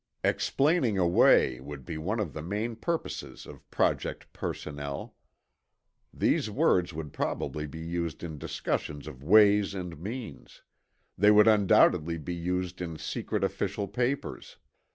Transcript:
"Explaining away" would be one of the main purposes of Project personnel. These words would probably be used in discussions of ways and means; they would undoubtedly would be used in secret official papers.